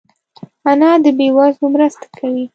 انا د بې وزلو مرسته کوي